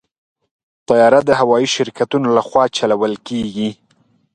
طیاره د هوايي شرکتونو لخوا چلول کېږي.